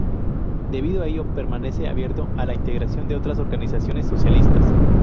Debido a ello permanece abierto a la integración de otras organizaciones socialistas.